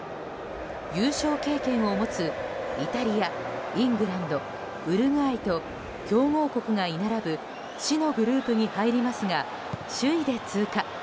優勝経験を持つイタリアイングランド、ウルグアイと強豪国が居並ぶ死のグループに入りますが首位で通過。